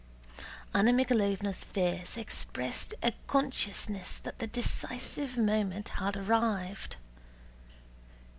Anna Mikháylovna's face expressed a consciousness that the decisive moment had arrived.